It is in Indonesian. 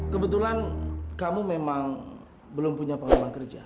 kebetulan kamu memang belum punya pengalaman kerja